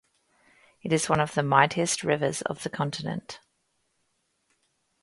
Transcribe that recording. It is one of the mightiest rivers of the continent.